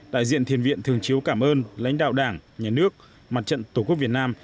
đại diện thiền viện thường chiếu cảm ơn lãnh đạo đảng nhà nước mặt trận tổ quốc việt nam